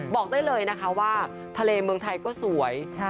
บอกได้เลยนะคะว่าทะเลเมืองไทยก็สวย